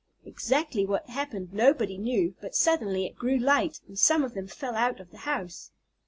Exactly what happened nobody knew, but suddenly it grew light, and some of them fell out of the house.